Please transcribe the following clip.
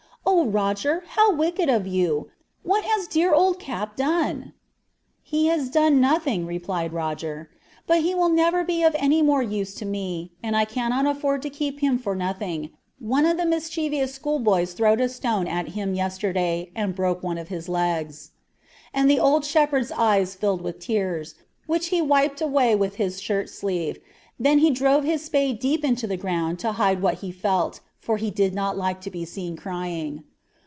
'Oh, Roger, how wicked of you! What has dear old Cap done?' "'He has done nothing,' replied Roger; 'but he will never be of any more use to me, and I cannot afford to keep him for nothing; one of the mischievous school boys throwed a stone at him yesterday, and broke one of his legs.' And the old shepherd's eyes filled with tears, which he wiped away with his shirt sleeve; then he drove his spade deep in the ground to hide what he felt, for he did not like to be seen crying.